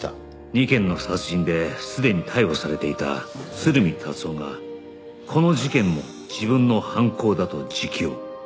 ２件の殺人ですでに逮捕されていた鶴見達男がこの事件も自分の犯行だと自供